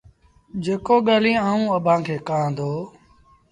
جيڪو ڳآليٚنٚ آئوٚنٚ اڀآنٚ کي ڪهآنٚ دو